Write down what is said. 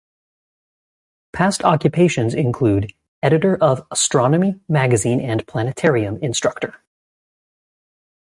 Past occupations include editor of "Astronomy" magazine and planetarium instructor.